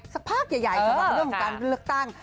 สภาพใหญ่สำหรับเวลาการเลือกตั้ง